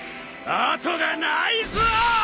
後がないぞ！